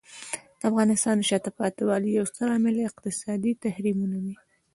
د افغانستان د شاته پاتې والي یو ستر عامل اقتصادي تحریمونه دي.